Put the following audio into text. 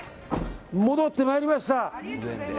戻ってまいりました。